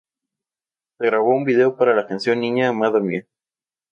Se grabó un vídeo para la canción "Niña amada mía".